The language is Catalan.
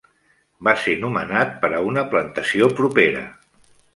Va ser nomenat per a una plantació propera.